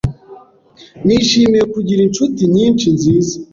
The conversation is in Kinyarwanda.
Nishimiye kugira inshuti nyinshi nziza.